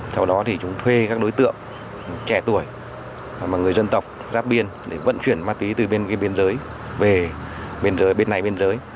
sau đó thì chúng thuê các đối tượng trẻ tuổi và người dân tộc giáp biên để vận chuyển ma túy từ bên biên giới về bên này bên biên giới